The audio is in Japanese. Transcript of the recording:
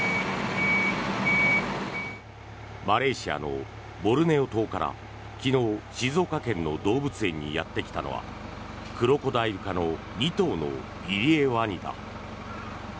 マレーシアのボルネオ島から昨日、静岡県の動物園にやってきたのはクロコダイル科の２頭のイリエワニだ。